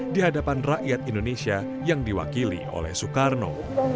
di hadapan rakyat indonesia yang diwakili oleh soekarno